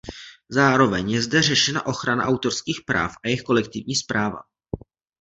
Zároveň je zde řešena ochrana autorských práv a jejich kolektivní správa.